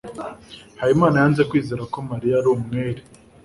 Habimana yanze kwizera ko Mariya ari umwere.